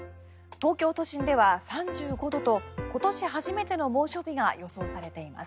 東京都心では３５度と今年初めての猛暑日が予想されています。